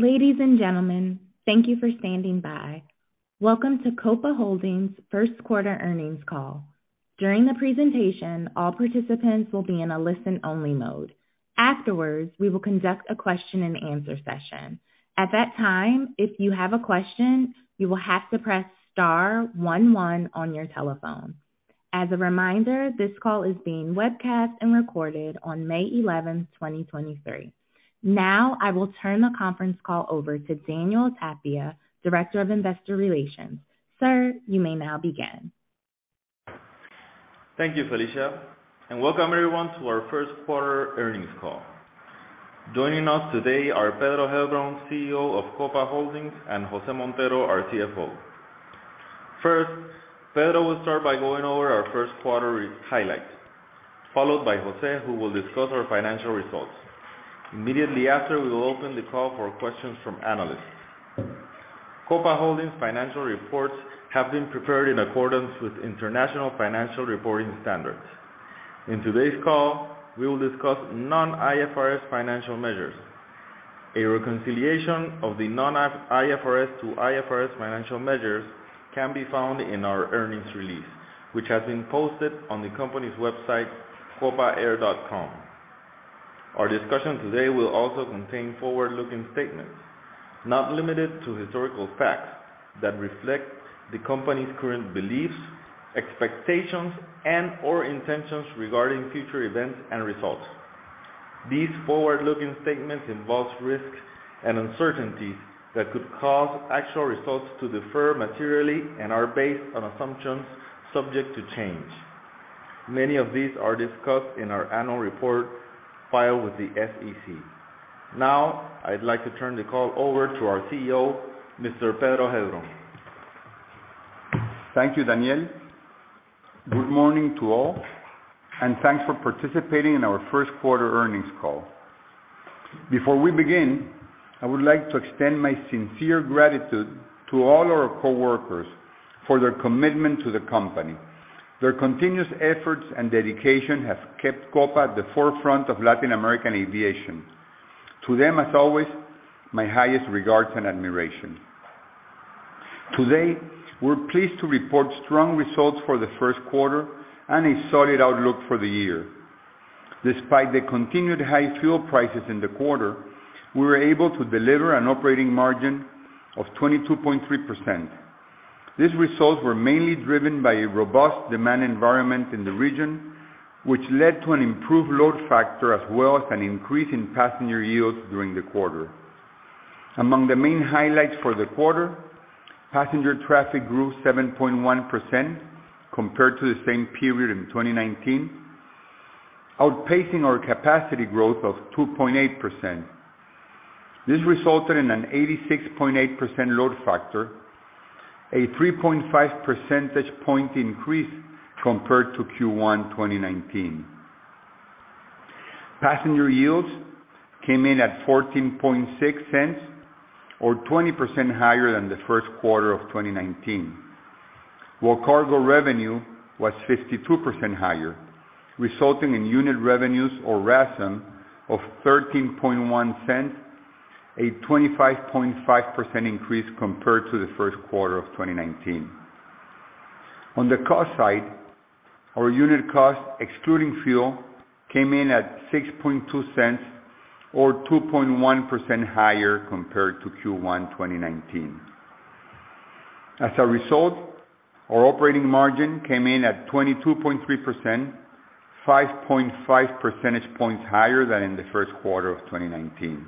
Ladies and gentlemen, thank you for standing by. Welcome to Copa Holdings first quarter earnings call. During the presentation, all participants will be in a listen-only mode. Afterwards, we will conduct a question and answer session. At that time, if you have a question, you will have to press star one one on your telephone. As a reminder, this call is being webcast and recorded on May eleventh, 2023. Now I will turn the conference call over to Daniel Tapia, Director of Investor Relations. Sir, you may now begin. Thank you, Felicia, and welcome everyone to our first quarter earnings call. Joining us today are Pedro Heilbron, CEO of Copa Holdings, and Jose Montero, our CFO. Pedro will start by going over our first quarter highlights, followed by Jose, who will discuss our financial results. Immediately after, we will open the call for questions from analysts. Copa Holdings financial reports have been prepared in accordance with International Financial Reporting Standards. In today's call, we will discuss non-IFRS financial measures. A reconciliation of the non-IFRS to IFRS financial measures can be found in our earnings release, which has been posted on the company's website, copaair.com. Our discussion today will also contain forward-looking statements, not limited to historical facts, that reflect the company's current beliefs, expectations, and/or intentions regarding future events and results. These forward-looking statements involve risks and uncertainties that could cause actual results to differ materially and are based on assumptions subject to change. Many of these are discussed in our annual report filed with the SEC. Now, I'd like to turn the call over to our CEO, Mr. Pedro Heilbron. Thank you, Daniel. Good morning to all, and thanks for participating in our first quarter earnings call. Before we begin, I would like to extend my sincere gratitude to all our coworkers for their commitment to the company. Their continuous efforts and dedication have kept Copa at the forefront of Latin American aviation. To them, as always, my highest regards and admiration. Today, we're pleased to report strong results for the first quarter and a solid outlook for the year. Despite the continued high fuel prices in the quarter, we were able to deliver an operating margin of 22.3%. These results were mainly driven by a robust demand environment in the region, which led to an improved load factor as well as an increase in passenger yields during the quarter. Among the main highlights for the quarter, passenger traffic grew 7.1% compared to the same period in 2019, outpacing our capacity growth of 2.8%. This resulted in an 86.8% load factor, a 3.5 percentage point increase compared to Q1, 2019. Passenger yields came in at $0.146 or 20% higher than the first quarter of 2019. While cargo revenue was 52% higher, resulting in unit revenues or RASM of $0.131, a 25.5% increase compared to the first quarter of 2019. On the cost side, our unit cost, excluding fuel, came in at $0.062 or 2.1% higher compared to Q1, 2019. As a result, our operating margin came in at 22.3%, 5.5 percentage points higher than in the first quarter of 2019.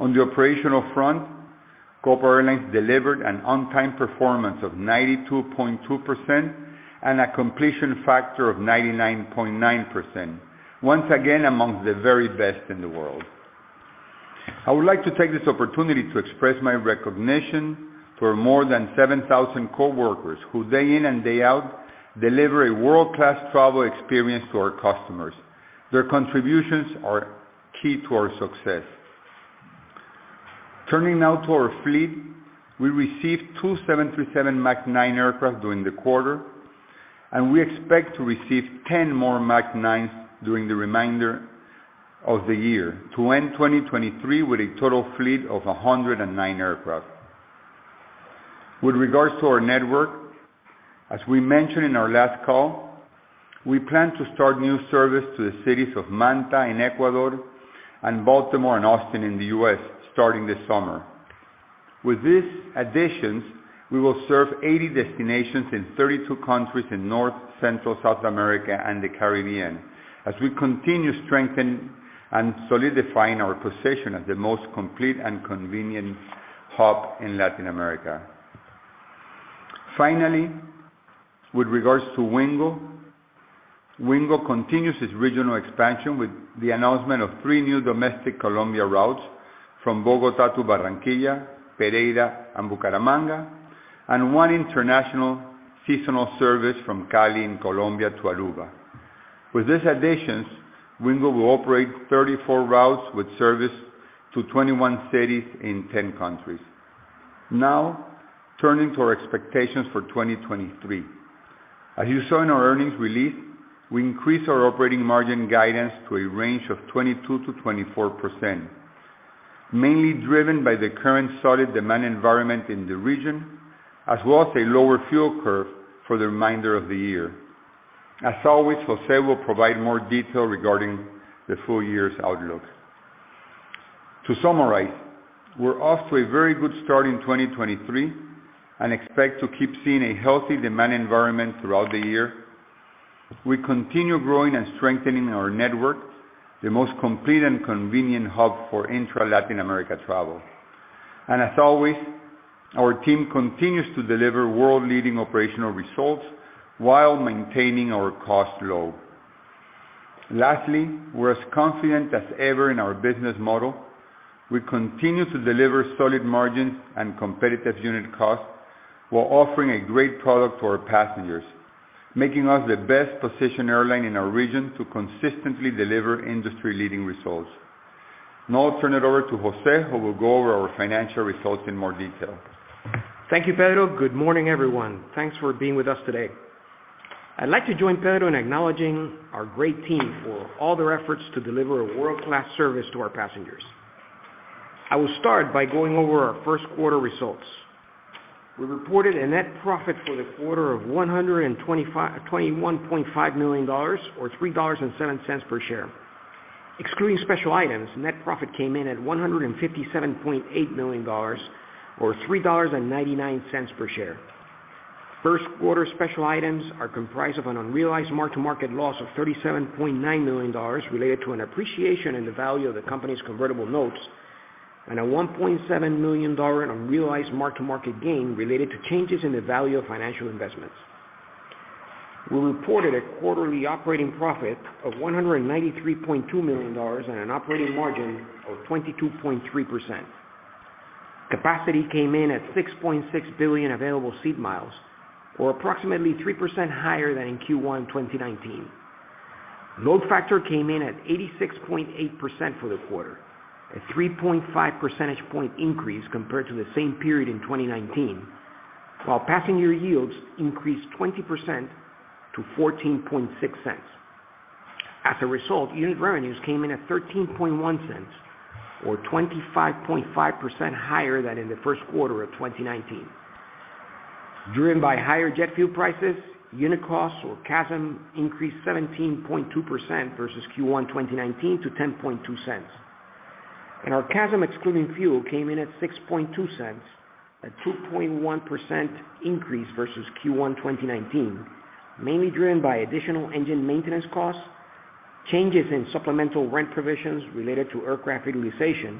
On the operational front, Copa Airlines delivered an on-time performance of 92.2% and a completion factor of 99.9%. Once again, amongst the very best in the world. I would like to take this opportunity to express my recognition for more than 7,000 coworkers who day in and day out, deliver a world-class travel experience to our customers. Their contributions are key to our success. Turning now to our fleet, we received two 737 MAX 9 aircraft during the quarter, and we expect to receive 10 more MAX 9s during the remainder of the year to end 2023 with a total fleet of 109 aircraft. With regards to our network, as we mentioned in our last call, we plan to start new service to the cities of Manta in Ecuador and Baltimore and Austin in the US starting this summer. With these additions, we will serve 80 destinations in 32 countries in North, Central, South America, and the Caribbean as we continue to strengthen and solidifying our position as the most complete and convenient hub in Latin America. Finally, with regards to Wingo. Wingo continues its regional expansion with the announcement of three new domestic Colombia routes from Bogotá to Barranquilla, Pereira, and Bucaramanga, and one international seasonal service from Cali in Colombia to Aruba. With these additions, Wingo will operate 34 routes with service to 21 cities in 10 countries. Now, turning to our expectations for 2023. As you saw in our earnings release, we increased our operating margin guidance to a range of 22%-24%, mainly driven by the current solid demand environment in the region, as well as a lower fuel curve for the remainder of the year. As always, Jose will provide more detail regarding the full year's outlook. To summarize, we're off to a very good start in 2023 and expect to keep seeing a healthy demand environment throughout the year. We continue growing and strengthening our network, the most complete and convenient hub for intra-Latin America travel. As always, our team continues to deliver world-leading operational results while maintaining our cost low. Lastly, we're as confident as ever in our business model. We continue to deliver solid margins and competitive unit costs while offering a great product for our passengers, making us the best-positioned airline in our region to consistently deliver industry-leading results. I'll turn it over to Jose, who will go over our financial results in more detail. Thank you, Pedro. Good morning, everyone. Thanks for being with us today. I'd like to join Pedro in acknowledging our great team for all their efforts to deliver a world-class service to our passengers. I will start by going over our first quarter results. We reported a net profit for the quarter of $121.5 million or $3.07 per share. Excluding special items, net profit came in at $157.8 million or $3.99 per share. First quarter special items are comprised of an unrealized mark-to-market loss of $37.9 million related to an appreciation in the value of the company's convertible notes, and a $1.7 million unrealized mark-to-market gain related to changes in the value of financial investments. We reported a quarterly operating profit of $193.2 million and an operating margin of 22.3%. Capacity came in at 6.6 billion Available Seat Miles, or approximately 3% higher than in Q1 2019. Load factor came in at 86.8% for the quarter, a 3.5 percentage point increase compared to the same period in 2019. While passenger yields increased 20% to $0.146. As a result, unit revenues came in at $0.131 or 25.5% higher than in the first quarter of 2019. Driven by higher jet fuel prices, unit costs or CASM increased 17.2% versus Q1 2019 to $0.102. Our CASM excluding fuel came in at $0.062, a 2.1% increase versus Q1 2019, mainly driven by additional engine maintenance costs, changes in supplemental rent provisions related to aircraft utilization,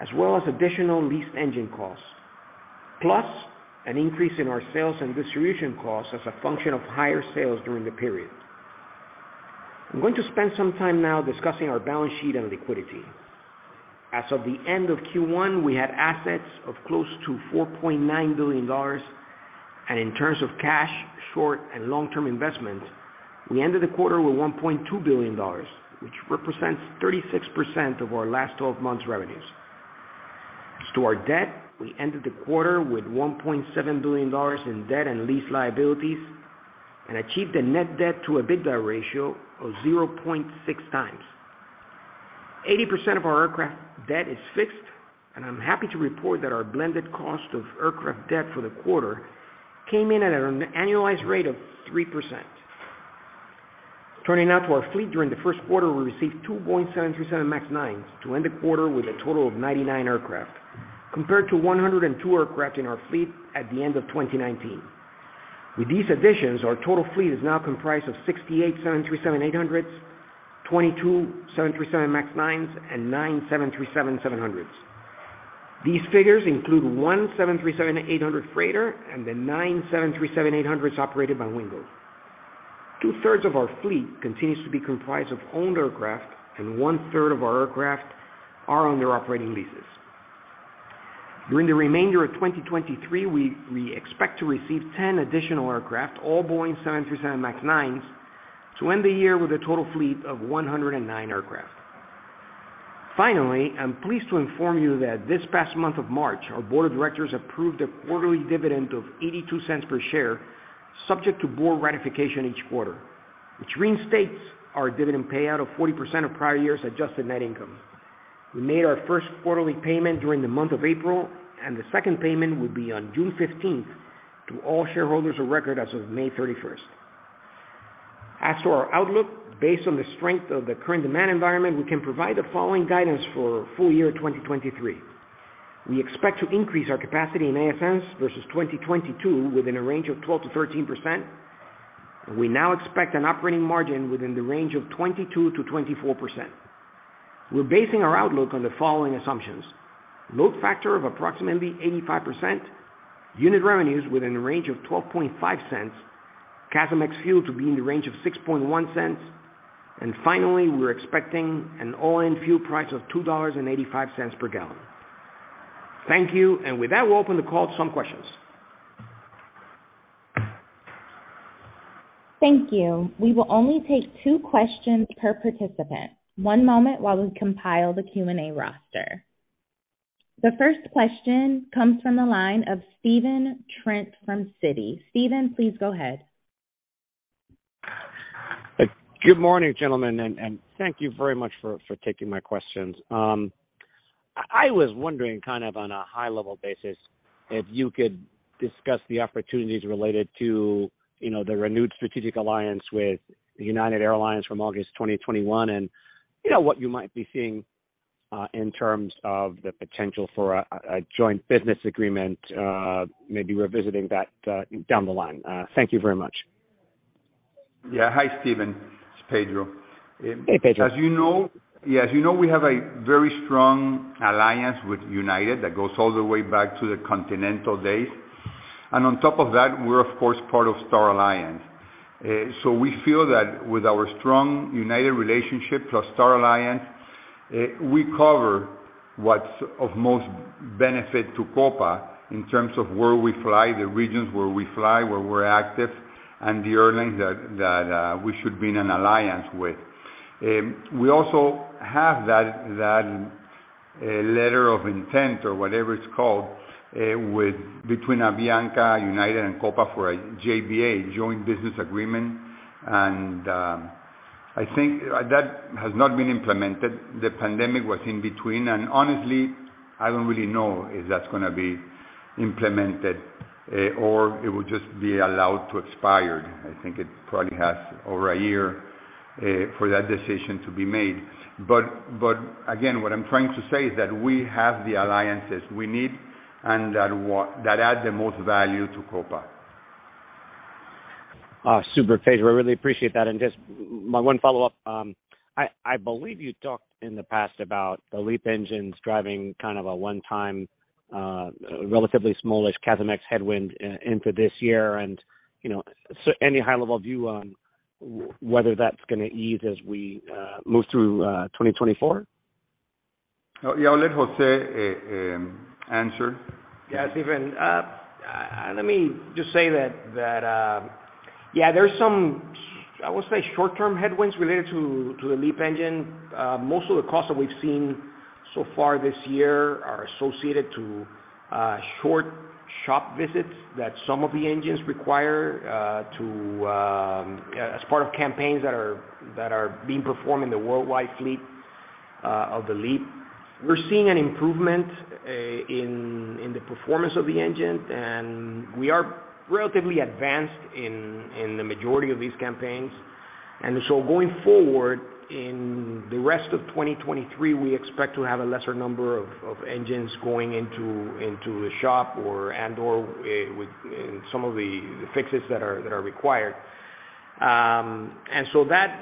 as well as additional leased engine costs, plus an increase in our sales and distribution costs as a function of higher sales during the period. I'm going to spend some time now discussing our balance sheet and liquidity. As of the end of Q1, we had assets of close to $4.9 billion, and in terms of cash, short and long-term investments, we ended the quarter with $1.2 billion, which represents 36% of our last twelve months revenues. As to our debt, we ended the quarter with $1.7 billion in debt and lease liabilities and achieved a net debt to EBITDA ratio of 0.6 times. 80% of our aircraft debt is fixed, and I'm happy to report that our blended cost of aircraft debt for the quarter came in at an annualized rate of 3%. Turning now to our fleet, during the first quarter, we received two Boeing 737 MAX 9s to end the quarter with a total of 99 aircraft, compared to 102 aircraft in our fleet at the end of 2019. With these additions, our total fleet is now comprised of 68 737-800s, 22 737 MAX 9s, and 9 737-700s. These figures include 1 737-800 Freighter and the 9 737-800s operated by Wingo. Two-thirds of our fleet continues to be comprised of owned aircraft. One-third of our aircraft are under operating leases. During the remainder of 2023, we expect to receive 10 additional aircraft, all Boeing 737 MAX 9s, to end the year with a total fleet of 109 aircraft. Finally, I'm pleased to inform you that this past month of March, our board of directors approved a quarterly dividend of $0.82 per share, subject to board ratification each quarter, which reinstates our dividend payout of 40% of prior years' adjusted net income. We made our first quarterly payment during the month of April. The second payment will be on June 15th to all shareholders of record as of May 31st. As to our outlook, based on the strength of the current demand environment, we can provide the following guidance for full year 2023. We expect to increase our capacity in ASMs versus 2022 within a range of 12%-13%. We now expect an operating margin within the range of 22%-24%. We're basing our outlook on the following assumptions: load factor of approximately 85%, unit revenues within a range of $0.125, CASM ex-fuel to be in the range of $0.061, and finally, we're expecting an all-in fuel price of $2.85 per gallon. Thank you. With that, we'll open the call to some questions. Thank you. We will only take two questions per participant. One moment while we compile the Q&A roster. The first question comes from the line of Stephen Trent from Citi. Stephen, please go ahead. Good morning, gentlemen, and thank you very much for taking my questions. I was wondering, kind of on a high-level basis, if you could discuss the opportunities related to, you know, the renewed strategic alliance with United Airlines from August 2021, and, you know, what you might be seeing in terms of the potential for a joint business agreement, maybe revisiting that down the line. Thank you very much. Yeah. Hi, Stephen. It's Pedro. Hey, Pedro. As you know, yeah, as you know, we have a very strong alliance with United that goes all the way back to the Continental days. On top of that, we're of course part of Star Alliance. So we feel that with our strong United relationship plus Star Alliance, we cover what's of most benefit to Copa in terms of where we fly, the regions where we fly, where we're active, and the airlines that we should be in an alliance with. We also have that letter of intent, or whatever it's called, with, between Avianca, United and Copa for a JBA, joint business agreement. I think that has not been implemented. The pandemic was in between, and honestly, I don't really know if that's gonna be implemented, or it will just be allowed to expire. I think it probably has over a year for that decision to be made. Again, what I'm trying to say is that we have the alliances we need and that add the most value to Copa. Super, Pedro. I really appreciate that. Just my one follow-up. I believe you talked in the past about the LEAP engines driving kind of a one-time, relatively small-ish CASM ex headwind into this year. You know, any high-level view on whether that's gonna ease as we move through 2024? Yeah, I'll let Jose answer. Yeah, Stephen Trent. let me just say that, yeah, there's some, I would say short-term headwinds related to the LEAP engine. Most of the costs that we've seen so far this year are associated to short shop visits that some of the engines require as part of campaigns that are being performed in the worldwide fleet of the LEAP. We're seeing an improvement in the performance of the engine, and we are relatively advanced in the majority of these campaigns. Going forward, in the rest of 2023, we expect to have a lesser number of engines going into the shop or and/or with some of the fixes that are required. That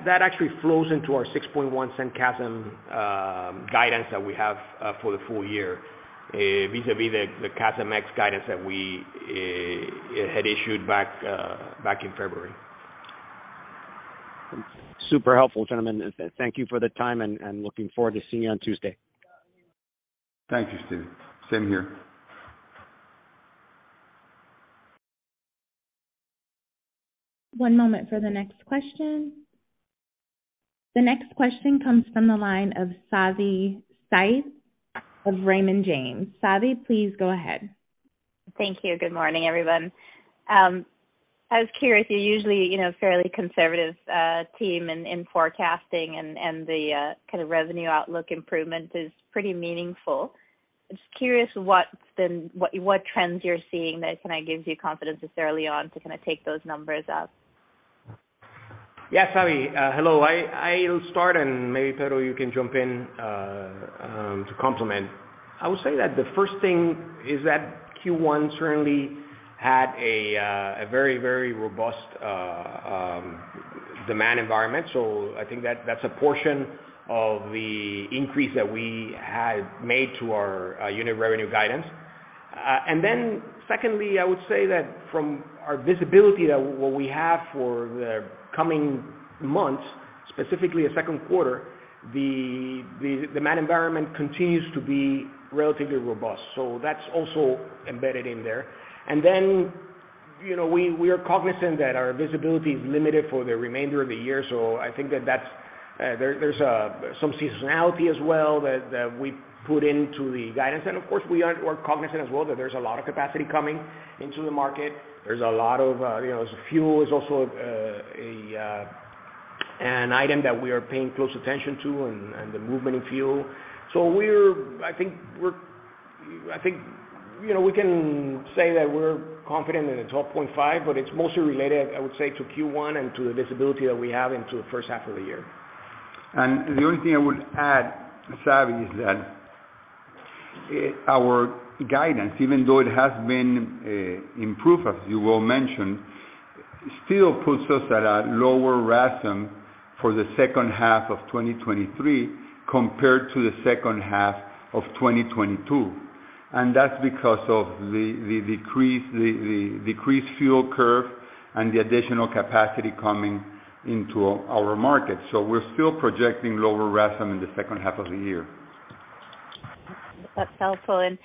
actually flows into our $0.061 CASM guidance that we have for the full year vis-à-vis the CASM ex guidance that we had issued back in February. Super helpful, gentlemen. Thank you for the time, and looking forward to seeing you on Tuesday. Thank you, Stephen. Same here. One moment for the next question. The next question comes from the line of Savanthi Syth of Raymond James. Savanthi, please go ahead. Thank you. Good morning, everyone. I was curious, you're usually, you know, a fairly conservative team in forecasting and the kind of revenue outlook improvement is pretty meaningful. Just curious what trends you're seeing that kind of gives you confidence this early on to kind of take those numbers up? Yeah, Savi, hello. I'll start, and maybe, Pedro, you can jump in to complement. I would say that the first thing is that Q1 certainly had a very, very robust demand environment, so I think that's a portion of the increase that we had made to our unit revenue guidance. And then secondly, I would say that from our visibility that what we have for the coming months, specifically the second quarter, the demand environment continues to be relatively robust, so that's also embedded in there. Then, you know, we are cognizant that our visibility is limited for the remainder of the year, so I think that that's, there's some seasonality as well that we put into the guidance. Of course, we're cognizant as well that there's a lot of capacity coming into the market. There's a lot of, you know, fuel is also, an item that we are paying close attention to and the movement in fuel. We're, I think, you know, we can say that we're confident in the 12.5%, but it's mostly related, I would say, to Q1 and to the visibility that we have into the first half of the year. The only thing I would add, Savi, is that our guidance, even though it has been improved, as you well mentioned, still puts us at a lower RASM for the second half of 2023 compared to the second half of 2022. That's because of the decreased fuel curve and the additional capacity coming into our market. We're still projecting lower RASM in the second half of the year. That's helpful.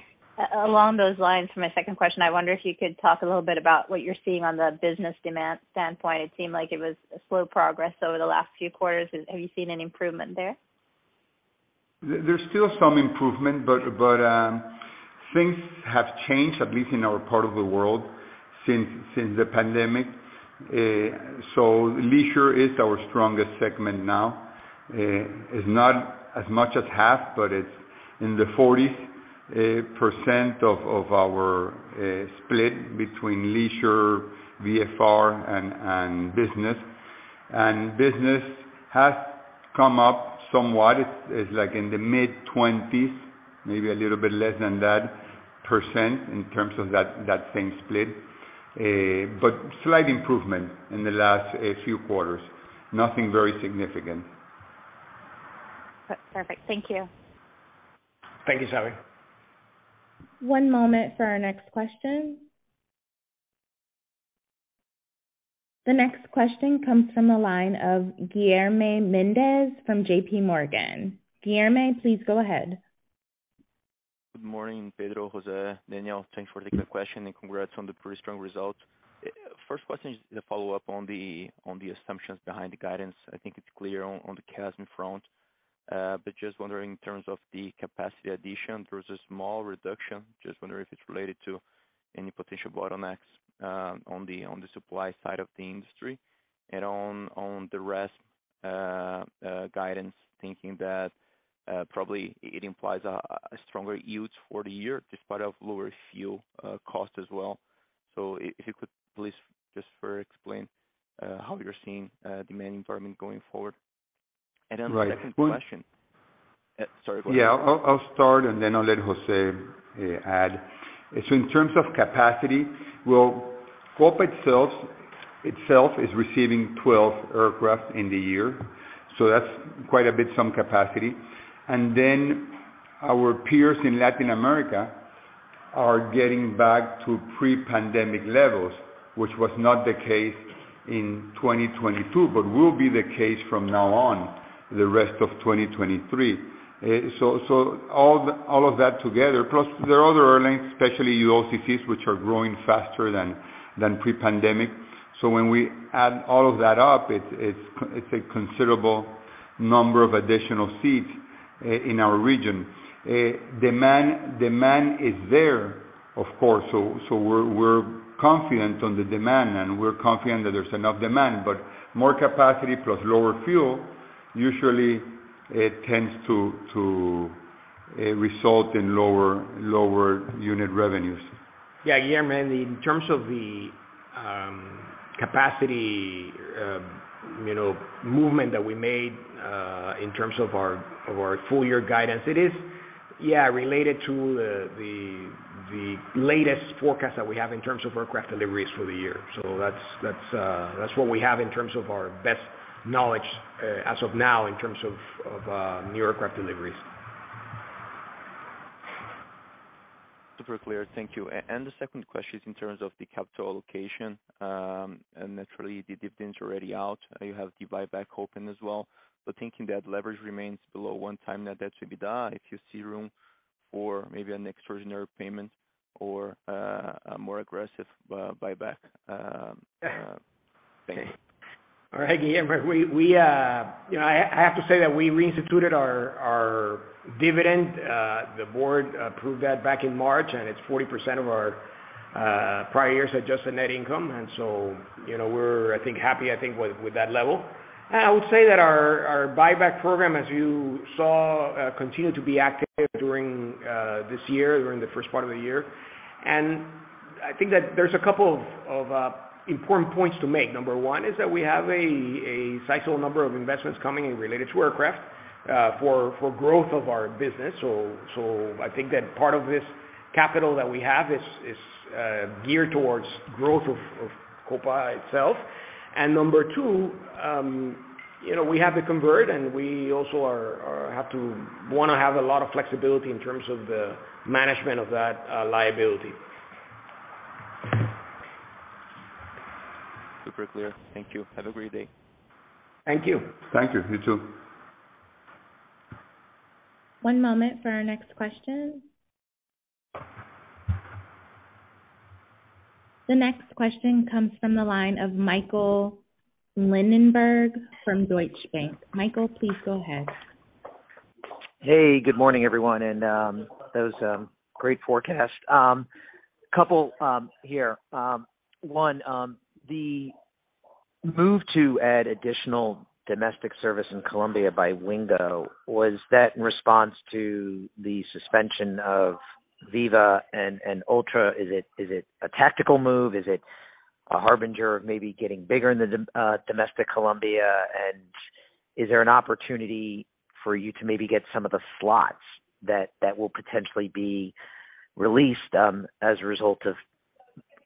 Along those lines for my second question, I wonder if you could talk a little bit about what you're seeing on the business demand standpoint. It seemed like it was a slow progress over the last few quarters. Have you seen any improvement there? There's still some improvement, but things have changed, at least in our part of the world since the pandemic. Leisure is our strongest segment now. It's not as much as half, but it's in the 40% of our split between leisure, VFR and business. Business has come up somewhat. It's like in the mid-20s, maybe a little bit less than that % in terms of that same split. Slight improvement in the last few quarters. Nothing very significant. That's perfect. Thank you. Thank you, Sally. One moment for our next question. The next question comes from the line of Guilherme Mendes from J.P. Morgan. Guilherme, please go ahead. Good morning, Pedro, Jose, Daniel. Thanks for taking my question and congrats on the pretty strong result. First question is the follow-up on the, on the assumptions behind the guidance. I think it's clear on the CASM front. But just wondering in terms of the capacity addition versus small reduction, just wonder if it's related to any potential bottlenecks on the supply side of the industry. And on the rest guidance thinking that probably it implies a stronger yields for the year despite of lower fuel cost as well. If you could please just further explain how you're seeing demand environment going forward. Right. the second question... sorry, go ahead. I'll start, I'll let Jose add. In terms of capacity, Copa itself is receiving 12 aircraft in the year, that's quite a bit some capacity. Our peers in Latin America are getting back to pre-pandemic levels, which was not the case in 2022, will be the case from now on the rest of 2023. All of that together, plus there are other airlines, especially ULCCs, which are growing faster than pre-pandemic. When we add all of that up, it's a considerable number of additional seats in our region. Demand is there, of course. We're confident on the demand, we're confident that there's enough demand, more capacity plus lower fuel, usually it tends to result in lower unit revenues. Yeah. Guilherme, in terms of the capacity, you know, movement that we made, in terms of our, of our full year guidance, it is, yeah, related to the latest forecast that we have in terms of aircraft deliveries for the year. That's, that's what we have in terms of our best knowledge, as of now in terms of new aircraft deliveries. Super clear. Thank you. The second question is in terms of the capital allocation, naturally the dividends already out. You have the buyback open as well, but thinking that leverage remains below 1 time net debt to EBITDA, if you see room for maybe an extraordinary payment or a more aggressive buyback. All right, Guilherme. We, you know, I have to say that we reinstituted our dividend. The board approved that back in March. It's 40% of our prior year's adjusted net income. So, you know, we're, I think, happy with that level. I would say that our buyback program, as you saw, continued to be active during this year, during the first part of the year. I think that there's a couple of important points to make. Number 1 is that we have a sizable number of investments coming in related to aircraft for growth of our business. So I think that part of this capital that we have is geared towards growth of Copa itself. number two, you know, we have the convert, and we also are have to wanna have a lot of flexibility in terms of the management of that, liability. Super clear. Thank you. Have a great day. Thank you. Thank you. You too. One moment for our next question. The next question comes from the line of Michael Linenberg from Deutsche Bank. Michael, please go ahead. Hey, good morning, everyone. That was great forecast. Couple here. One, the move to add additional domestic service in Colombia by Wingo, was that in response to the suspension of Viva and Ultra? Is it a tactical move? Is it a harbinger of maybe getting bigger in the domestic Colombia? Is there an opportunity for you to maybe get some of the slots that will potentially be released as a result of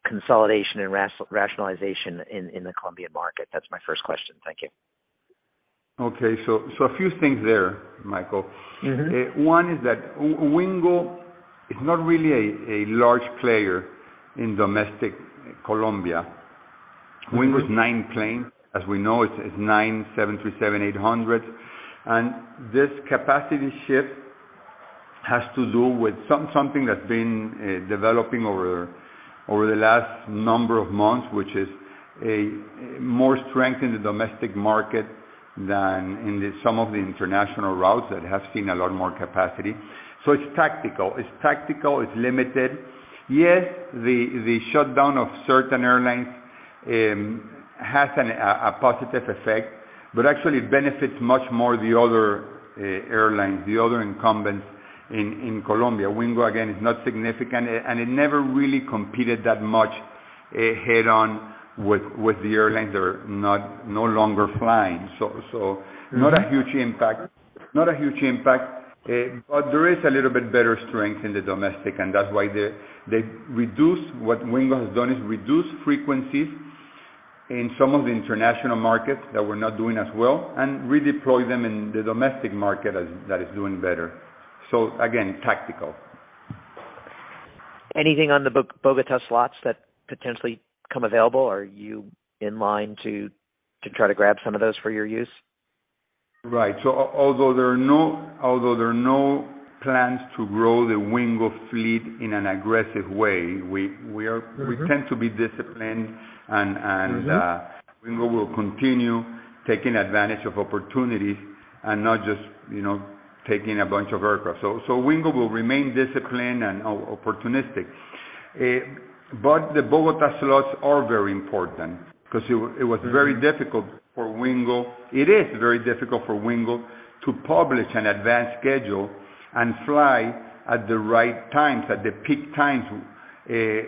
consolidation and rationalization in the Colombian market? That's my first question. Thank you. Okay. A few things there, Michael. Mm-hmm. One is that Wingo is not really a large player in domestic Colombia. Wingo's 9 plane, as we know, it's 9 Boeing 737-800. And this capacity shift has to do with something that's been developing over the last number of months, which is more strength in the domestic market than in some of the international routes that have seen a lot more capacity. So it's tactical, it's tactical, it's limited. Yes, the shutdown of certain airlines has a positive effect, but actually benefits much more the other airlines, the other incumbents in Colombia. Wingo, again, is not significant, and it never really competed that much head on with the airlines that are no longer flying. Not a huge impact. Not a huge impact, there is a little bit better strength in the domestic, and that's why they reduce. What Wingo has done is reduce frequencies in some of the international markets that were not doing as well and redeploy them in the domestic market that is doing better. Again, tactical. Anything on the Bogota slots that potentially come available, are you in line to try to grab some of those for your use? Right. Although there are no plans to grow the Wingo fleet in an aggressive way, we are. Mm-hmm. We tend to be disciplined and Mm-hmm. Wingo will continue taking advantage of opportunities and not just, you know, taking a bunch of aircraft. Wingo will remain disciplined and opportunistic. The Bogota slots are very important because it was very difficult for Wingo to publish an advanced schedule and fly at the right times, at the peak times,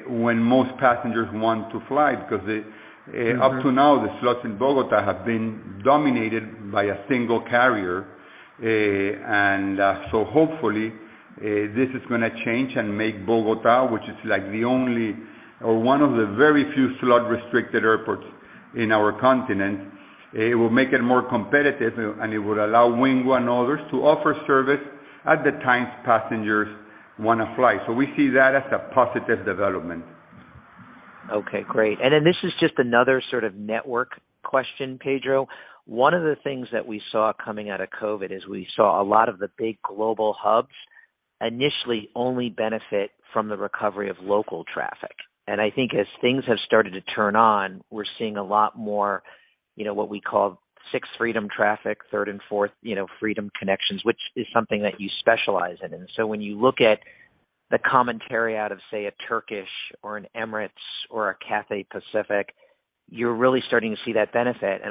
when most passengers want to fly, because. Mm-hmm. Up to now, the slots in Bogota have been dominated by a single carrier. Hopefully, this is gonna change and make Bogota, which is like the only or one of the very few slot-restricted airports in our continent, it will make it more competitive and it will allow Wingo and others to offer service at the times passengers wanna fly. We see that as a positive development. Okay, great. This is just another sort of network question, Pedro. One of the things that we saw coming out of COVID is we saw a lot of the big global hubs initially only benefit from the recovery of local traffic. As things have started to turn on, we're seeing a lot more, you know, what we call Sixth Freedom traffic, Third and Fourth, you know, Freedom connections, which is something that you specialize in. When you look at the commentary out of, say, a Turkish or an Emirates or a Cathay Pacific, you're really starting to see that benefit.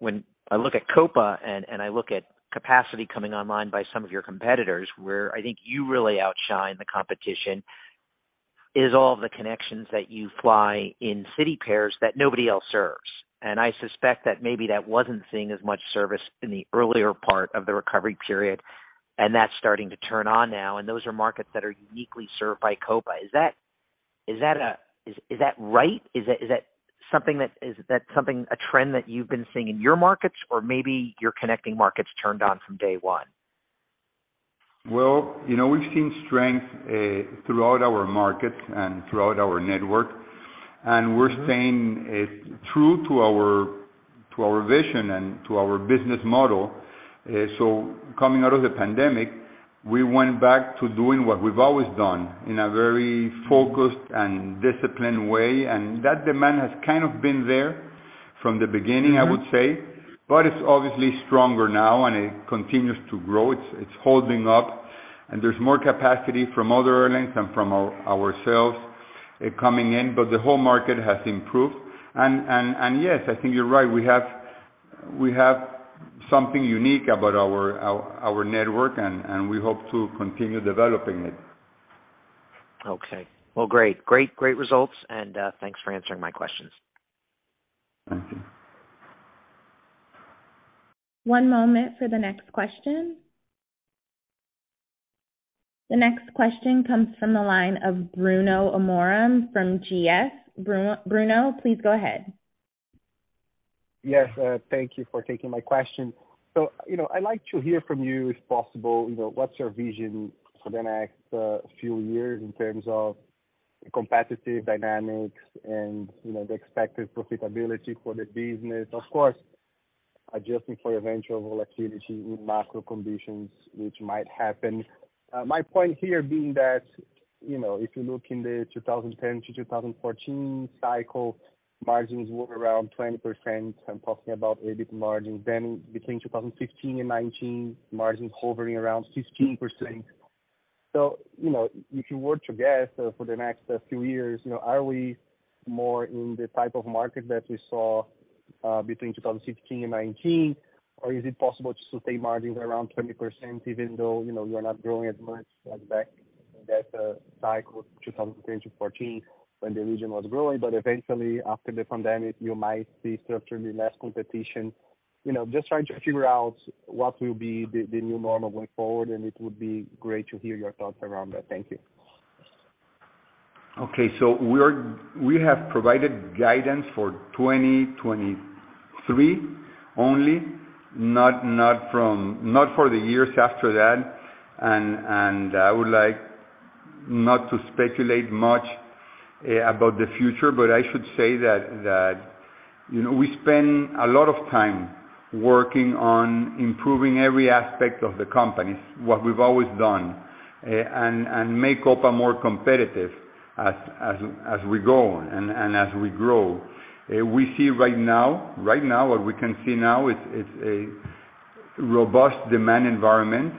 When I look at Copa and I look at capacity coming online by some of your competitors, where I think you really outshine the competition is all the connections that you fly in city pairs that nobody else serves. I suspect that maybe that wasn't seeing as much service in the earlier part of the recovery period, and that's starting to turn on now. Those are markets that are uniquely served by Copa. Is that right? Is that something, a trend that you've been seeing in your markets or maybe your connecting markets turned on from day one? Well, you know, we've seen strength, throughout our markets and throughout our network. Mm-hmm. We're staying true to our vision and to our business model. Coming out of the pandemic, we went back to doing what we've always done in a very focused and disciplined way. That demand has kind of been there from the beginning. Mm-hmm. I would say. It's obviously stronger now and it continues to grow. It's holding up and there's more capacity from other airlines and from ourselves coming in, but the whole market has improved. Yes, I think you're right. We have something unique about our network and we hope to continue developing it. Okay. Well, great. Great, great results. Thanks for answering my questions. Thank you. One moment for the next question. The next question comes from the line of Bruno Amorim from Goldman Sachs. Bruno, please go ahead. Thank you for taking my question. You know, I'd like to hear from you, if possible, you know, what's your vision for the next few years in terms of competitive dynamics and, you know, the expected profitability for the business? Of course, adjusting for eventual activity in macro conditions which might happen. My point here being that, you know, if you look in the 2010-2014 cycle, margins were around 20%. I'm talking about EBIT margins. Between 2015 and 2019, margins hovering around 16%. You know, if you were to guess, for the next few years, you know, are we more in the type of market that we saw between 2015 and 2019 or is it possible to sustain margins around 20% even though, you know, you're not growing as much like back in that cycle, 2010-2014 when the region was growing, but eventually after the pandemic you might see structurally less competition? You know, just trying to figure out what will be the new normal going forward, and it would be great to hear your thoughts around that. Thank you. Okay. We have provided guidance for 2023 only, not for the years after that. Not to speculate much about the future, but I should say that, you know, we spend a lot of time working on improving every aspect of the company. It's what we've always done. Make Copa more competitive as we go and as we grow. We see right now, what we can see now is a robust demand environment.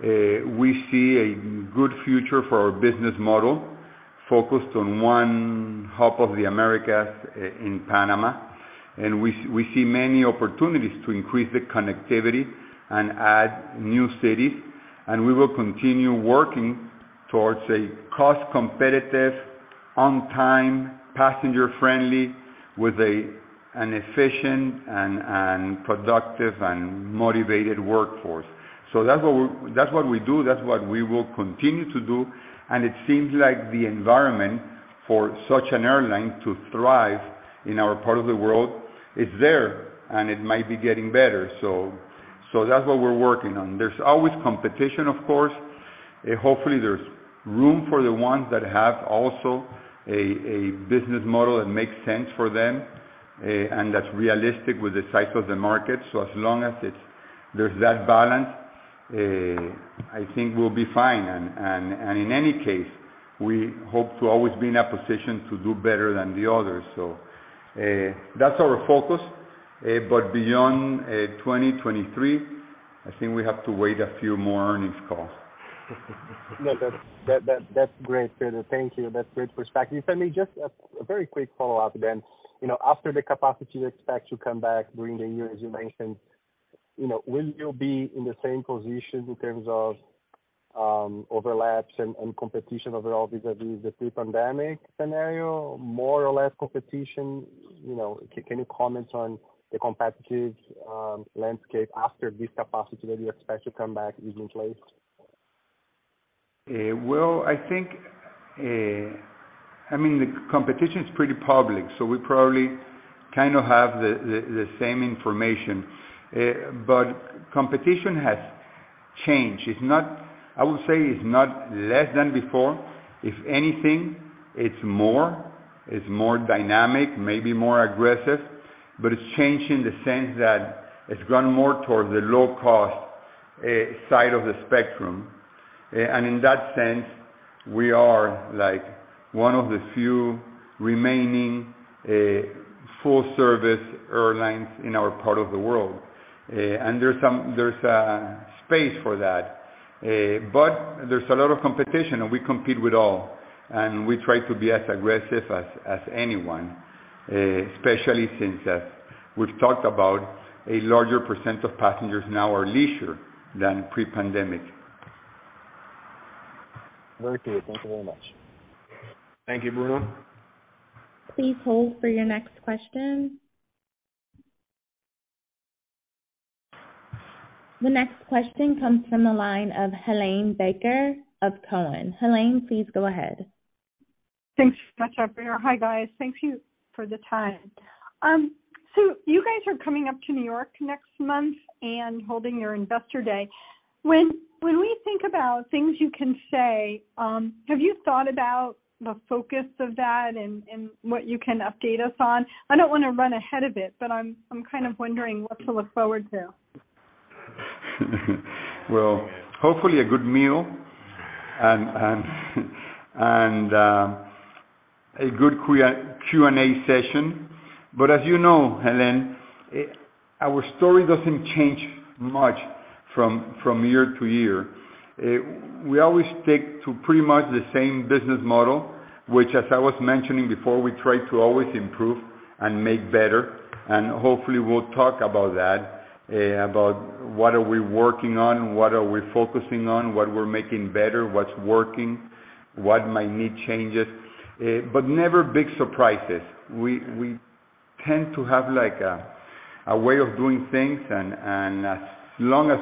We see a good future for our business model focused on one hub of the Americas in Panama. We see many opportunities to increase the connectivity and add new cities. We will continue working towards a cost competitive, on time, passenger-friendly, with an efficient and productive and motivated workforce. That's what we do, that's what we will continue to do. It seems like the environment for such an airline to thrive in our part of the world is there, and it might be getting better. That's what we're working on. There's always competition, of course. Hopefully, there's room for the ones that have also a business model that makes sense for them, and that's realistic with the size of the market. As long as there's that balance, I think we'll be fine. In any case, we hope to always be in a position to do better than the others. That's our focus. But beyond 2023, I think we have to wait a few more earnings calls. Yeah. That's great, Pedro. Thank you. That's great perspective. Let me just a very quick follow-up. You know, after the capacity you expect to come back during the year, as you mentioned, you know, will you be in the same position in terms of overlaps and competition overall vis-à-vis the pre-pandemic scenario, more or less competition? You know, can you comment on the competitive landscape after this capacity that you expect to come back is in place? Well, I think, the competition is pretty public, so we probably kind of have the same information. Competition has changed. I would say it's not less than before. If anything, it's more. It's more dynamic, maybe more aggressive. It's changed in the sense that it's gone more towards the low cost side of the spectrum. In that sense, we are like one of the few remaining full service airlines in our part of the world. There's a space for that. There's a lot of competition and we compete with all, and we try to be as aggressive as anyone, especially since we've talked about a larger % of passengers now are leisure than pre-pandemic. Very clear. Thank you very much. Thank you, Bruno. Please hold for your next question. The next question comes from the line of Helane Becker of TD Cowen. Helane, please go ahead. Thanks so much, Operator. Hi, guys. Thank you for the time. You guys are coming up to New York next month and holding your investor day. When we think about things you can say, have you thought about the focus of that and what you can update us on? I don't wanna run ahead of it, but I'm kind of wondering what to look forward to. Well, hopefully a good meal and a good Q&A session. As you know, Helane, our story doesn't change much from year to year. We always stick to pretty much the same business model, which, as I was mentioning before, we try to always improve and make better, and hopefully we'll talk about that. About what are we working on, what are we focusing on, what we're making better, what's working, what might need changes, but never big surprises. We tend to have like a way of doing things, and as long as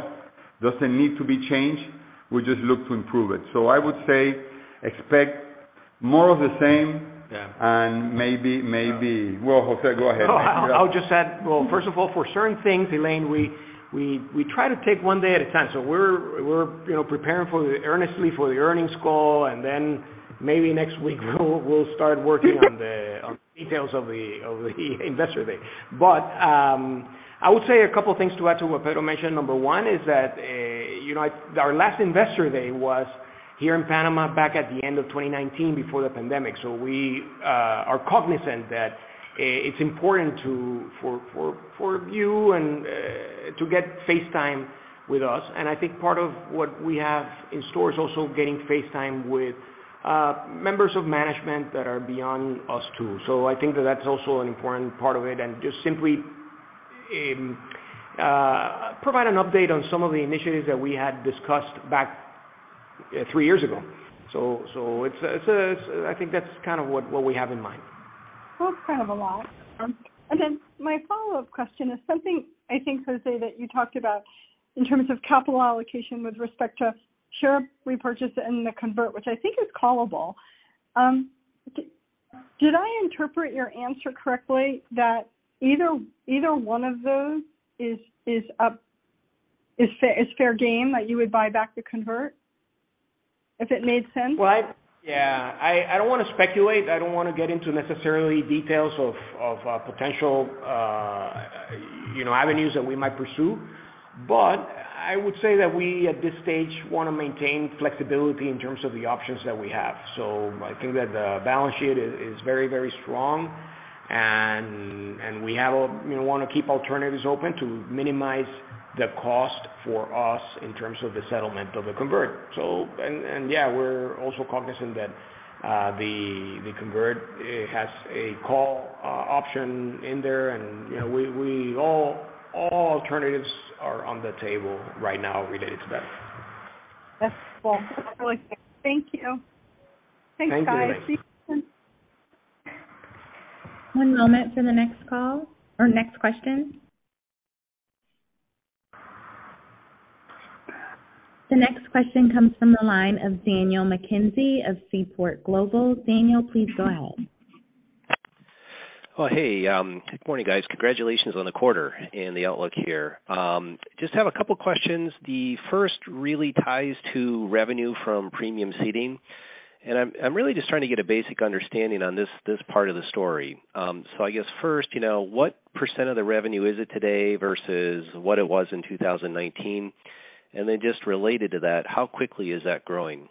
doesn't need to be changed, we just look to improve it. I would say expect more of the same. Yeah. Maybe. Well, Jose, go ahead. I'll just add. First of all, for certain things, Helane, we try to take one day at a time. We're, you know, preparing earnestly for the earnings call, maybe next week we'll start working on the details of the investor day. I would say a couple of things to add to what Pedro mentioned. Number one is that, you know, our last investor day was here in Panama back at the end of 2019 before the pandemic. We are cognizant that it's important for you to get face time with us. I think part of what we have in store is also getting face time with members of management that are beyond us two. I think that that's also an important part of it, and just simply, provide an update on some of the initiatives that we had discussed back, three years ago. I think that's kind of what we have in mind. Well, it's kind of a lot. My follow-up question is something I think, José, that you talked about in terms of capital allocation with respect to share repurchase and the convert, which I think is callable. Did I interpret your answer correctly that either one of those is up for? Is fair game that you would buy back the convert if it made sense? I. Yeah. I don't wanna speculate. I don't wanna get into necessarily details of potential, you know, avenues that we might pursue. I would say that we, at this stage, wanna maintain flexibility in terms of the options that we have. I think that the balance sheet is very, very strong. We have a, you know, wanna keep alternatives open to minimize the cost for us in terms of the settlement of the convert. Yeah, we're also cognizant that the convert, it has a call option in there and, you know, all alternatives are on the table right now related to that. That's cool. That's really fair. Thank you. Thank you. Thanks, guys. See you soon. One moment for the next call or next question. The next question comes from the line of Daniel McKenzie of Seaport Global. Daniel, please go ahead. Oh, hey. Good morning, guys. Congratulations on the quarter and the outlook here. Just have a couple questions. The first really ties to revenue from premium seating. I'm really just trying to get a basic understanding on this part of the story. I guess first, you know, what % of the revenue is it today versus what it was in 2019? Then just related to that, how quickly is that growing?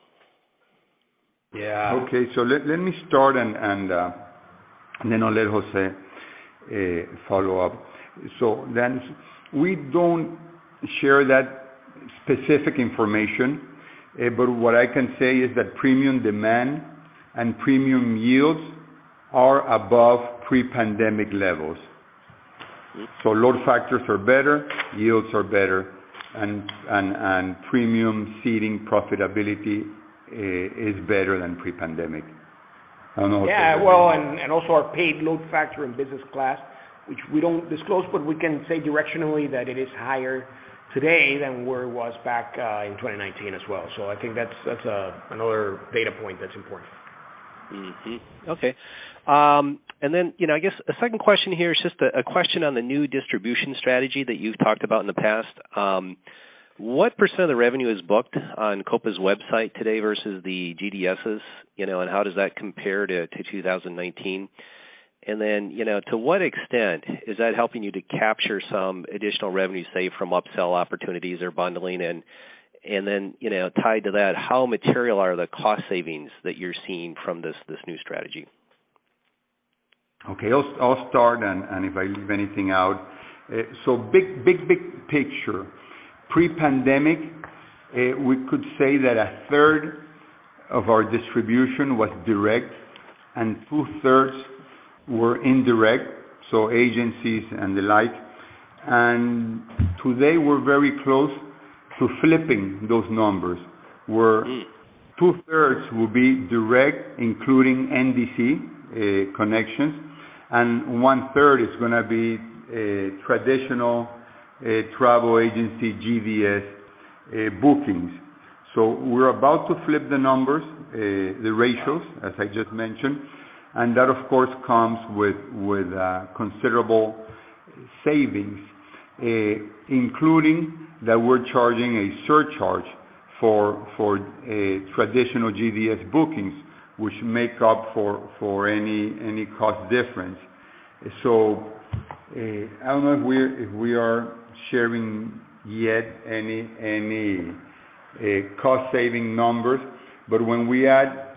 Yeah. Okay. Let me start and then I'll let Jose follow up. We don't share that specific information, but what I can say is that premium demand and premium yields are above pre-pandemic levels. Load factors are better, yields are better, and premium seating profitability is better than pre-pandemic. Yeah. Well, and also our paid load factor in business class, which we don't disclose, but we can say directionally that it is higher today than where it was back in 2019 as well. I think that's another data point that's important. Okay. Then, you know, I guess a second question here is just a question on the new distribution strategy that you've talked about in the past. What % of the revenue is booked on Copa's website today versus the GDSs, you know, and how does that compare to 2019? Then, you know, to what extent is that helping you to capture some additional revenue, say, from upsell opportunities or bundling? Then, you know, tied to that, how material are the cost savings that you're seeing from this new strategy? Okay. I'll start, if I leave anything out. Big picture, pre-pandemic, we could say that a third of our distribution was direct and two-thirds were indirect, so agencies and the like. Today we're very close to flipping those numbers. Mm. Two-thirds will be direct, including NDC connections, and 1/3 is gonna be traditional travel agency GDS bookings. We're about to flip the numbers, the ratios, as I just mentioned, and that of course comes with considerable savings, including that we're charging a surcharge for a traditional GDS bookings, which make up for any cost difference. I don't know if we are sharing yet any cost-saving numbers, but when we add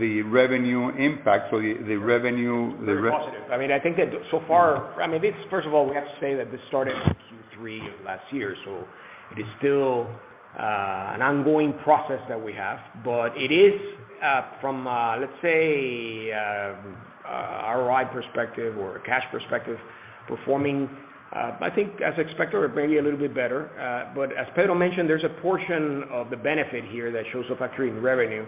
the revenue impact, so the revenue impact, the re- Very positive. I think that so far this, first of all, we have to say that this started in Q3 of last year, so it is still an ongoing process that we have. It is from, let's say, a ROI perspective or a cash perspective, performing, I think as expected or maybe a little bit better. As Pedro mentioned, there's a portion of the benefit here that shows up actually in revenue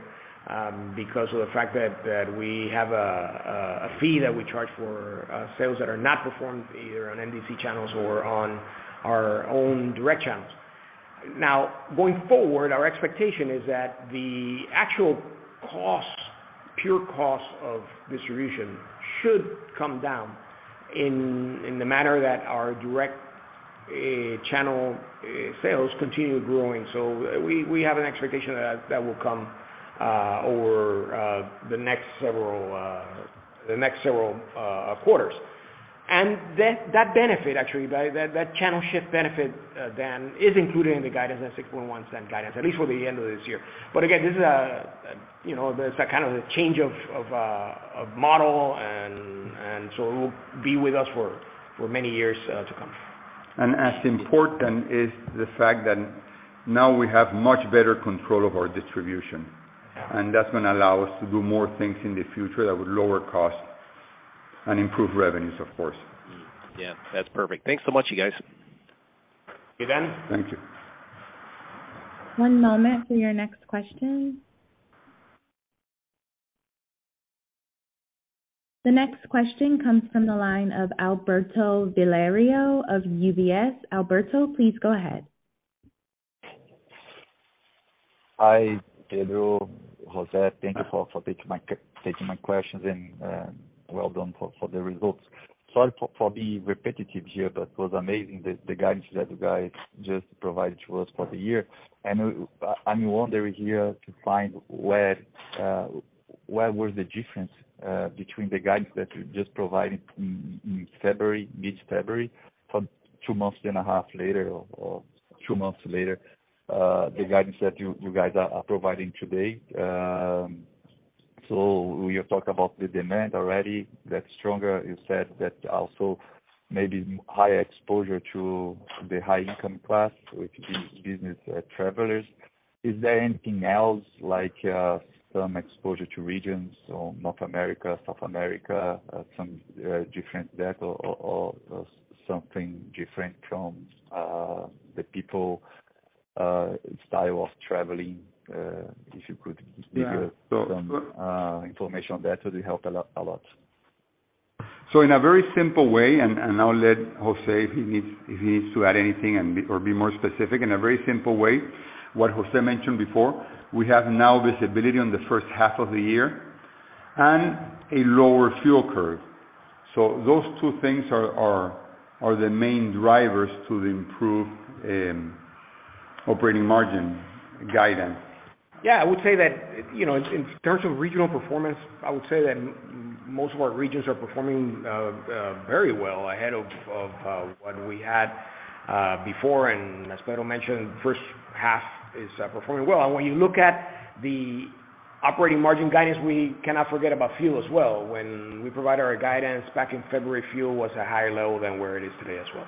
because of the fact that we have a fee that we charge for sales that are not performed either on NDC channels or on our own direct channels. Now, going forward, our expectation is that the actual costs, pure costs of distribution should come down in the manner that our direct channel sales continue growing. We have an expectation that will come over the next several quarters. Then that benefit actually, that channel shift benefit then is included in the guidance, that $0.061 guidance, at least for the end of this year. Again, this is, you know, that's that kind of a change of a model and so it'll be with us for many years to come. As important is the fact that now we have much better control of our distribution, and that's gonna allow us to do more things in the future that would lower costs and improve revenues, of course. Yeah. That's perfect. Thanks so much, you guys. Okay, Dan. Thank you. One moment for your next question. The next question comes from the line of Alberto Valerio of UBS. Alberto, please go ahead. Hi, Pedro, Jose. Thank you for taking my questions, and well done for the results. Sorry for being repetitive here, but it was amazing the guidance that you guys just provided to us for the year. I'm wondering here to find where was the difference between the guidance that you just provided in February, mid-February, from two months and a half later or two months later, the guidance that you guys are providing today. We have talked about the demand already, that's stronger. You said that also maybe higher exposure to the high income class, which is business travelers. Is there anything else like, some exposure to regions or North America, South America, some different there or something different from the people, style of traveling? Yeah. information on that, it would help a lot, a lot. In a very simple way, and I'll let Jose if he needs to add anything and be or be more specific, in a very simple way, what Jose mentioned before, we have now visibility on the first half of the year and a lower fuel curve. Those two things are the main drivers to the improved operating margin guidance. Yeah. I would say that, you know, in terms of regional performance, I would say that most of our regions are performing very well ahead of what we had before. As Pedro mentioned, first half is performing well. When you look at the operating margin guidance, we cannot forget about fuel as well. When we provided our guidance back in February, fuel was a higher level than where it is today as well.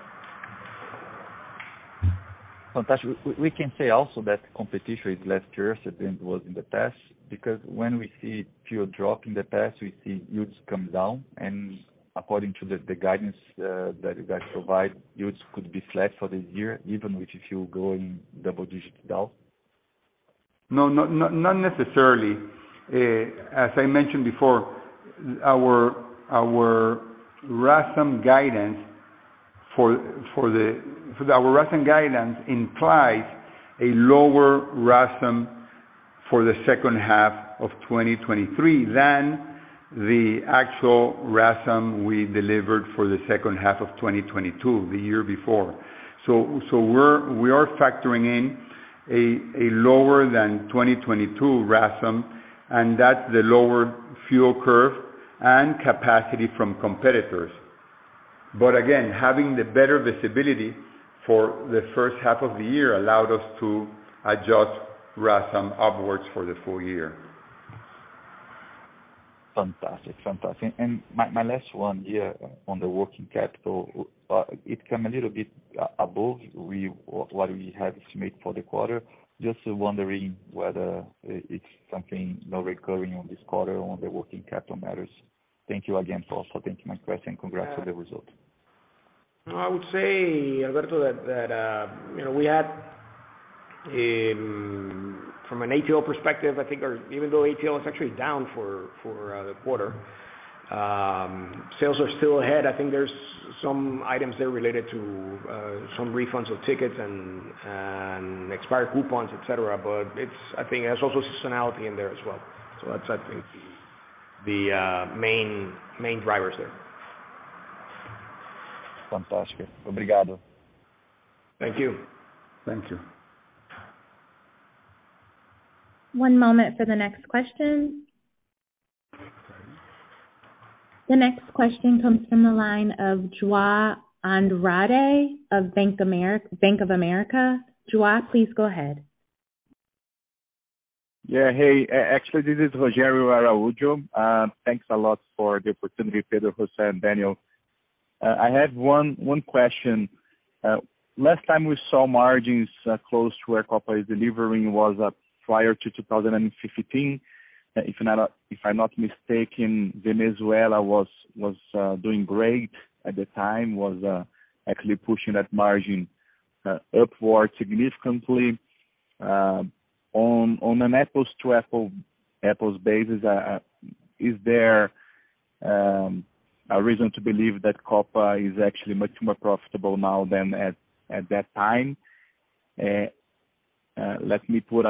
Fantastic. We can say also that competition is less furious than it was in the past because when we see fuel drop in the past, we see yields come down, and according to the guidance that you guys provide, yields could be flat for the year, even with the fuel going double digits down. No, not necessarily. As I mentioned before, our RASM guidance implies a lower RASM for the second half of 2023 than the actual RASM we delivered for the second half of 2022, the year before. We are factoring in a lower than 2022 RASM, and that's the lower fuel curve and capacity from competitors. Again, having the better visibility for the first half of the year allowed us to adjust RASM upwards for the full year. Fantastic. Fantastic. My, my last one here on the working capital, it come a little bit above what we had estimated for the quarter. Just wondering whether it's something not recurring on this quarter on the working capital matters? Thank you again for also taking my question. Congrats on the result. Yeah. No, I would say, Alberto Valerio, that, you know, we had, from an ATL perspective, I think our. Even though ATL is actually down for the quarter, sales are still ahead. I think there's some items there related to, some refunds of tickets and, expired coupons, et cetera. I think there's also seasonality in there as well. That's, I think, the main drivers there. Fantastic. Obrigado. Thank you. Thank you. One moment for the next question. The next question comes from the line of Joao Andrade of Bank of America. Joao, please go ahead. Yeah. Hey, actually, this is Rogerio Araujo. Thanks a lot for the opportunity, Pedro, Jose, and Daniel. I have one question. Last time we saw margins close to where Copa is delivering was prior to 2015. If I'm not mistaken, Venezuela was doing great at the time, was actually pushing that margin upward significantly. On an apples-to-apple, apples basis, is there a reason to believe that Copa is actually much more profitable now than at that time? Let me put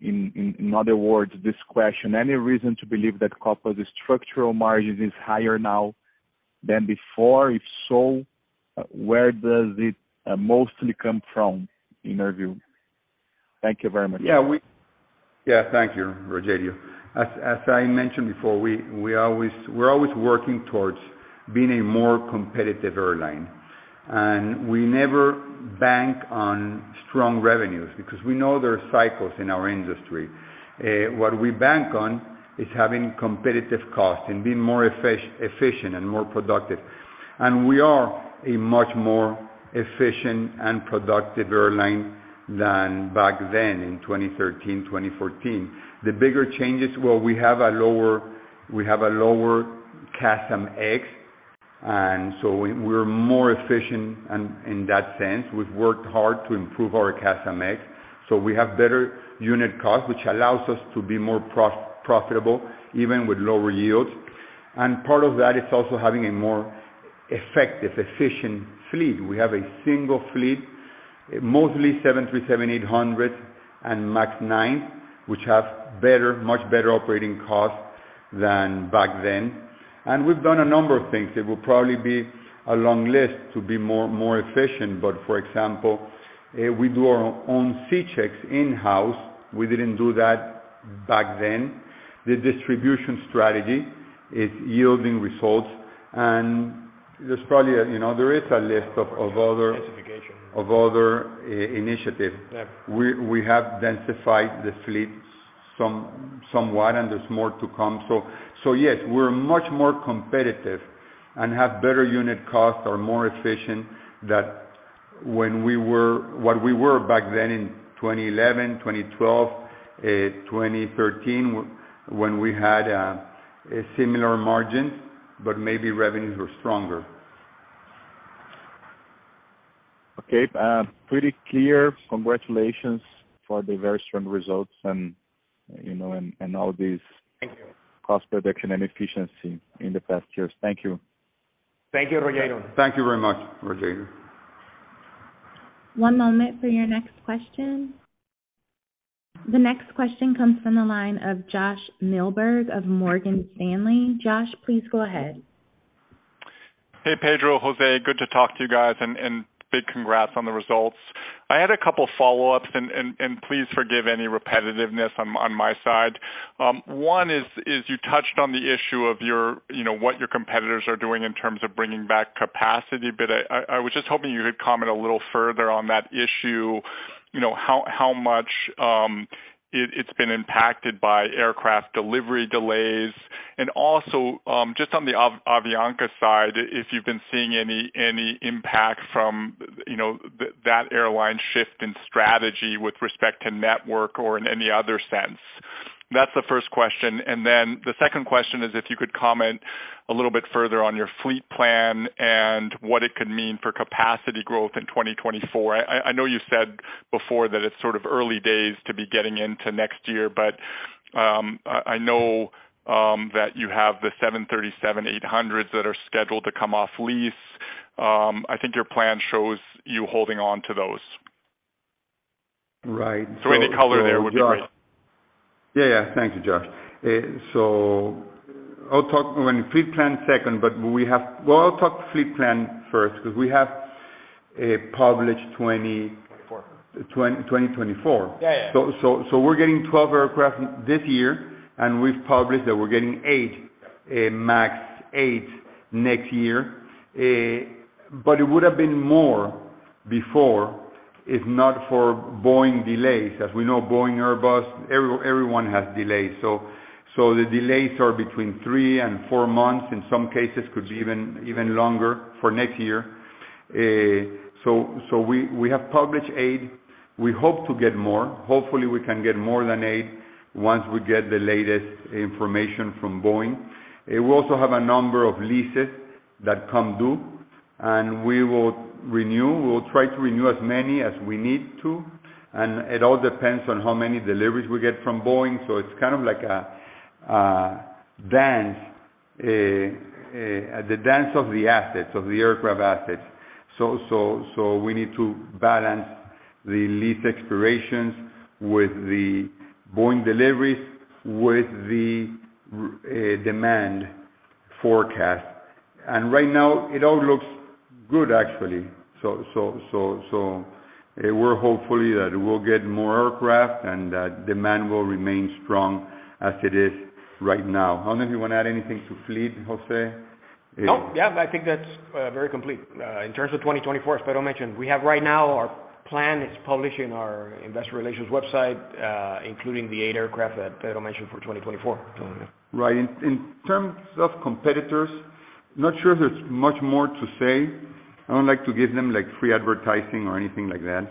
in other words, this question. Any reason to believe that Copa's structural margins is higher now than before? If so, where does it mostly come from in your view? Thank you very much. Yeah. Thank you, Rogério. As I mentioned before, we always, we're always working towards being a more competitive airline, and we never bank on strong revenues because we know there are cycles in our industry. What we bank on is having competitive costs and being more efficient and more productive. We are a much more efficient and productive airline than back then in 2013, 2014. The bigger changes, well, we have a lower, we have a lower CASM-ex, and so we're more efficient in that sense. We've worked hard to improve our CASM-ex. We have better unit cost, which allows us to be more profitable even with lower yields. Part of that is also having a more effective, efficient fleet. We have a single fleet, mostly 737-800 and MAX 9, which have better, much better operating costs than back then. We've done a number of things. It will probably be a long list to be more, more efficient. For example, we do our own C checks in-house. We didn't do that back then. The distribution strategy is yielding results, and there's probably a, you know, there is a list of other initiatives. Yeah. We have densified the fleet somewhat, and there's more to come. Yes, we're much more competitive and have better unit costs, are more efficient that what we were back then in 2011, 2012, 2013 when we had a similar margin, maybe revenues were stronger. Okay. pretty clear. Congratulations for the very strong results and, you know, all these. Thank you. cost reduction and efficiency in the past years. Thank you. Thank you, Rogério. Thank you very much, Rogério. One moment for your next question. The next question comes from the line of Josh Milberg of Morgan Stanley. Josh, please go ahead. Hey, Pedro, Jose, good to talk to you guys, and big congrats on the results. I had a couple follow-ups, and please forgive any repetitiveness on my side. One is you touched on the issue of your, you know, what your competitors are doing in terms of bringing back capacity. I was just hoping you could comment a little further on that issue, you know, how much it's been impacted by aircraft delivery delays. Also, just on the Avianca side, if you've been seeing any impact from, you know, that airline shift in strategy with respect to network or in any other sense? That's the first question. The second question is if you could comment a little bit further on your fleet plan and what it could mean for capacity growth in 2024? I know you said before that it's sort of early days to be getting into next year, but I know that you have the 737-800s that are scheduled to come off lease. I think your plan shows you holding on to those. Right. Any color there would be great. Yeah. Thank you, Josh. I'll talk on fleet plan second. Well, I'll talk fleet plan first because we have a published 20- Four. Twenty-twenty-four. Yeah, yeah. We're getting 12 aircraft this year, we've published that we're getting 8 MAX 8 next year. It would have been more before, if not for Boeing delays. As we know, Boeing, Airbus, everyone has delays. The delays are between 3 and 4 months, in some cases could be even longer for next year. We have published 8. We hope to get more. Hopefully, we can get more than 8 once we get the latest information from Boeing. We also have a number of leases that come due, we will renew. We will try to renew as many as we need to, it all depends on how many deliveries we get from Boeing. It's kind of like a dance, the dance of the assets, of the aircraft assets. we need to balance the lease expirations with the Boeing deliveries, with the demand forecast. Right now it all looks good, actually. we're hopefully that we'll get more aircraft and that demand will remain strong as it is right now. I don't know if you want to add anything to fleet, Jose. No. Yeah, I think that's very complete. In terms of 2024, as Pedro mentioned, we have right now our plan is published in our investor relations website, including the eight aircraft that Pedro mentioned for 2024. Right. In terms of competitors, not sure there's much more to say. I don't like to give them like free advertising or anything like that.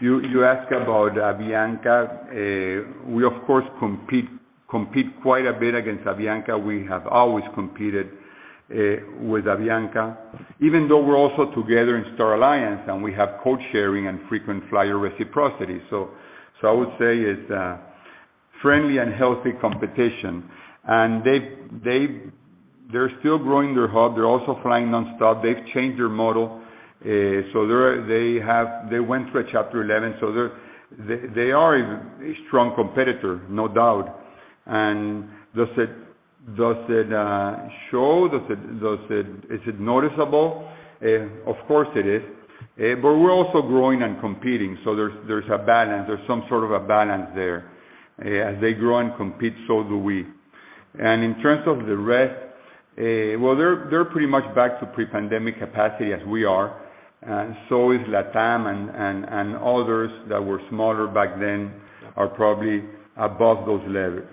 You ask about Avianca, we of course, compete quite a bit against Avianca. We have always competed with Avianca, even though we're also together in Star Alliance and we have code sharing and frequent flyer reciprocity. I would say it's a friendly and healthy competition. They're still growing their hub. They're also flying nonstop. They've changed their model, so they went through a Chapter 11, so they are a strong competitor, no doubt. Does it show? Is it noticeable? Of course it is. We're also growing and competing, so there's a balance. There's some sort of a balance there. As they grow and compete, so do we. In terms of the rest, well, they're pretty much back to pre-pandemic capacity as we are. Is LATAM and others that were smaller back then are probably above those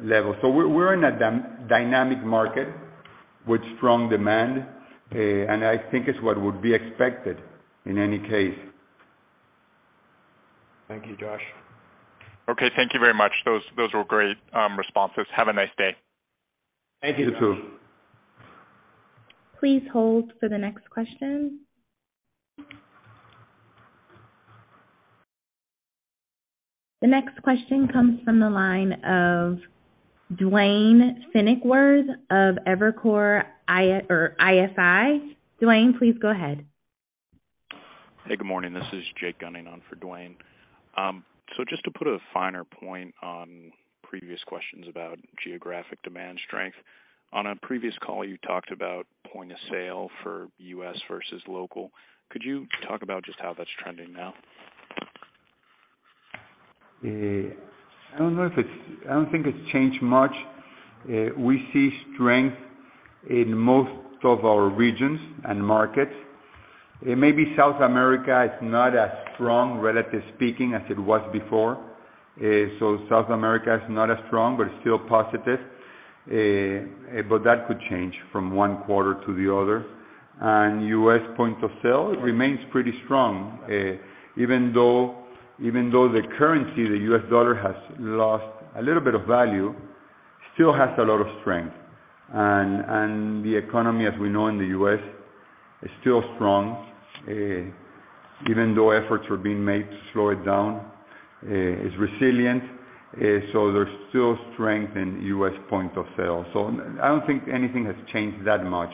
levels. We're in a dynamic market with strong demand, and I think it's what would be expected in any case. Thank you, Josh. Okay. Thank you very much. Those were great responses. Have a nice day. Thank you. You too. Please hold for the next question. The next question comes from the line of Duane Pfennigwerth of Evercore ISI. Duane, please go ahead. Hey, good morning. This is Jacob Gunning on for Duane. Just to put a finer point on previous questions about geographic demand strength, on a previous call, you talked about point of sale for U.S. versus local. Could you talk about just how that's trending now? I don't know, I don't think it's changed much. We see strength in most of our regions and markets. Maybe South America is not as strong, relative speaking, as it was before. South America is not as strong, but it's still positive. That could change from one quarter to the other. U.S. point of sale remains pretty strong, even though, even though the currency, the U.S. dollar, has lost a little bit of value, still has a lot of strength. The economy, as we know in the U.S., is still strong, even though efforts are being made to slow it down. It's resilient. There's still strength in U.S. point of sale. I don't think anything has changed that much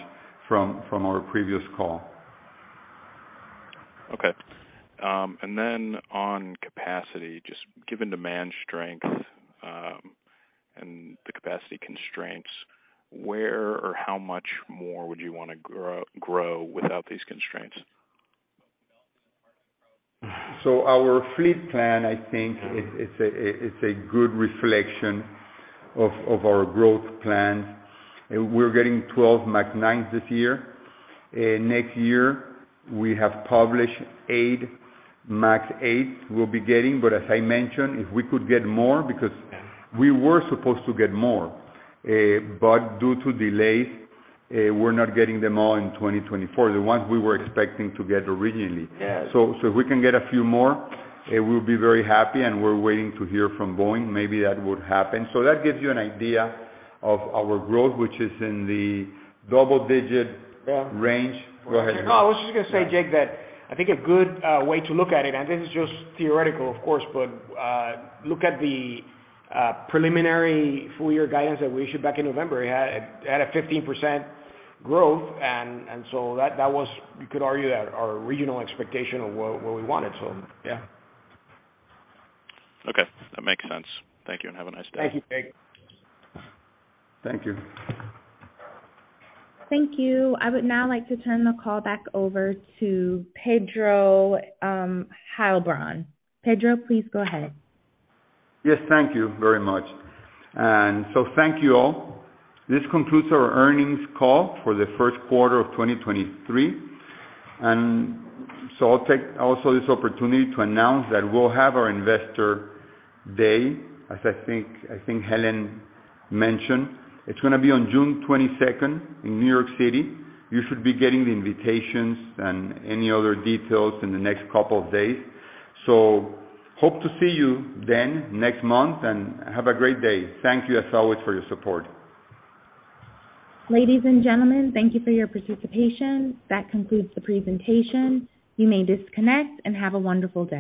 from our previous call. Okay. On capacity, just given demand strength, and the capacity constraints, where or how much more would you wanna grow without these constraints? Our fleet plan, I think it's a good reflection of our growth plans. We're getting 12 MAX 9s this year. Next year we have published 8 MAX 8s we'll be getting, but as I mentioned, if we could get more because we were supposed to get more, but due to delays, we're not getting them all in 2024, the ones we were expecting to get originally. Yeah. If we can get a few more, we will be very happy, and we're waiting to hear from Boeing. Maybe that would happen. That gives you an idea of our growth, which is in the double digit- Yeah. -range. Go ahead. No, I was just gonna say, Jake, that I think a good way to look at it, and this is just theoretical of course, but look at the preliminary full year guidance that we issued back in November. It had a 15% growth and so that was, you could argue that our regional expectation of what we wanted. Yeah. Okay, that makes sense. Thank you, and have a nice day. Thank you, Jake. Thank you. Thank you. I would now like to turn the call back over to Pedro Heilbron. Pedro, please go ahead. Yes, thank you very much. Thank you all. This concludes our earnings call for the first quarter of 2023. I'll take also this opportunity to announce that we'll have our investor day, as I think Helen mentioned. It's gonna be on June 22nd in New York City. You should be getting the invitations and any other details in the next couple of days. Hope to see you then next month and have a great day. Thank you as always for your support. Ladies and gentlemen, thank you for your participation. That concludes the presentation. You may disconnect and have a wonderful day.